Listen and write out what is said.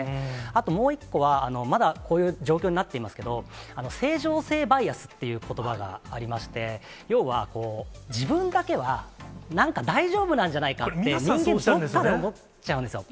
あともう一個は、まだ、こういう状況になっていますけど、正常性バイアスっていうことばがありまして、要は、自分だけは、なんか大丈夫なんじゃないかって、人間どっかで思っちゃうんですよ。